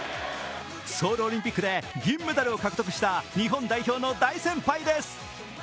ソウルオリンピックで銀メダルを獲得した日本代表の大先輩です。